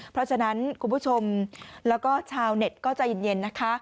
เพราะฉะนั้นคุณผู้ชมแล้วก็ชาวเน็ตก็ใจเย็นนะคะ